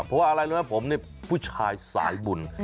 เพราะว่าอะไรรู้ไหมผมเนี่ยผู้ชายสายบุญ